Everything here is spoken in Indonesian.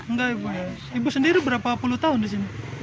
nggak ibu ya ibu sendiri berapa puluh tahun di sini